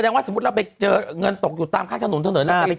แสดงว่าสมมุติเราไปเจอเงินตกอยู่ตามฆ่าทะนุนถ้าเหนิดแล้ว